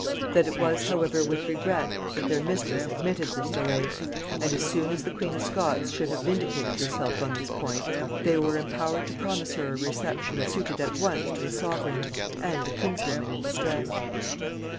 That it was however with regret that their mistress admitted this delay; and as soon as the queen of Scots should have vindicated herself on this point, they were empowered to promise her a reception suited at once to a sovereign and a kinswoman in distress.